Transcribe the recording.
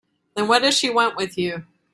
Then what does she want with you?